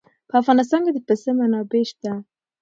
په افغانستان کې د پسه منابع شته.